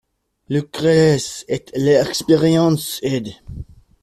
- Lucrèce et l’expérience, Éd.